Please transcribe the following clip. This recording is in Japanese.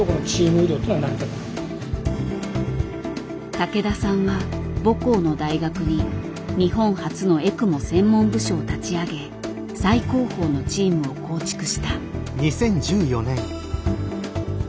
竹田さんは母校の大学に日本初のエクモ専門部署を立ち上げ最高峰のチームを構築した。